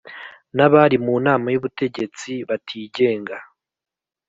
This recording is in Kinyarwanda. N abari mu nama y ubutegetsi batigenga